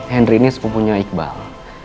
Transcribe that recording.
henry ini sepupunya iqbal